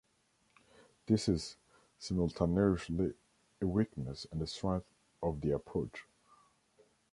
This is simultaneously a weakness and a strength of the approach.